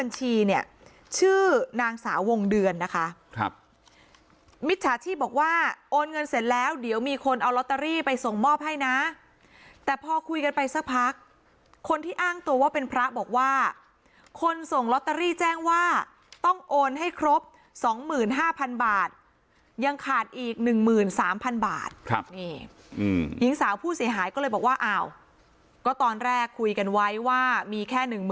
ชื่อนางสาวเดือนนะคะครับมิจฉาชีพบอกว่าโอนเงินเสร็จแล้วเดี๋ยวมีคนเอาลอตเตอรี่ไปส่งมอบให้นะแต่พอคุยกันไปสักพักคนที่อ้างตัวว่าเป็นพระบอกว่าคนส่งลอตเตอรี่แจ้งว่าต้องโอนให้ครบ๒๕๐๐๐บาทยังขาดอีก๑๓๐๐๐บาทครับนี่หญิงสาวผู้เสียหายก็เลยบอกว่าอ้าวก็ตอนแรกคุยกันไว้ว่ามีแค่๑๐๐๐